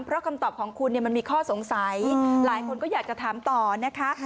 เพราะคำตอบของคุณเนี่ยมันมีข้อสงสัยหลายคนก็อยากจะถามต่อนะคะ